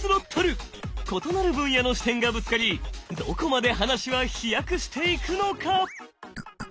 異なる分野の視点がぶつかりどこまで話は飛躍していくのか？